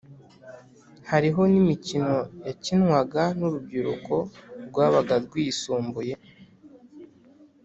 hariho n’imikino yakinwaga n’urubyiruko rwabaga rwisumbuye,